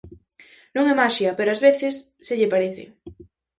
Non é maxia, pero ás veces se lle parece.